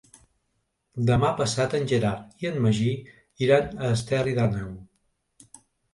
Demà passat en Gerard i en Magí iran a Esterri d'Àneu.